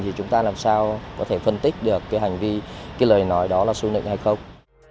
thì chúng ta làm sao có thể phân tích được cái hành vi cái lời nói đó là su nịnh hay không